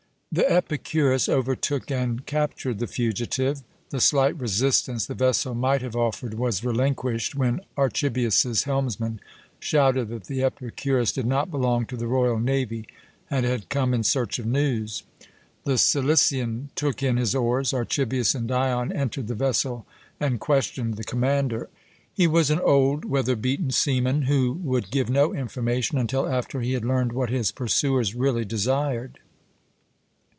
The Epicurus overtook and captured the fugitive. The slight resistance the vessel might have offered was relinquished when Archibius's helmsman shouted that the Epicurus did not belong to the royal navy, and had come in search of news. The Cilician took in his oars; Archibius and Dion entered the vessel and questioned the commander. He was an old, weather beaten seaman, who would give no information until after he had learned what his pursuers really desired.